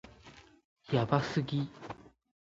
やばすぎ